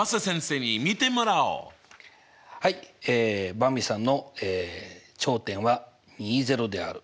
ばんびさんの頂点はである。